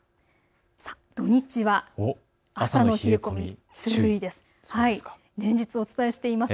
土日は朝の冷え込み注意です。